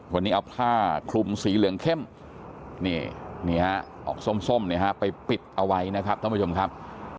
วันนี้เอาผ้าคลุมสีเหลืองเข้มนี่ฮะออกส้มไปปิดเอาไว้นะครับท่านผู้ชมครับ